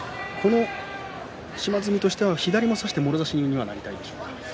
島津海としては左を差してもろ差しになりたいでしょうか。